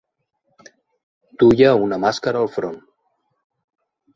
Duia una mascara al front.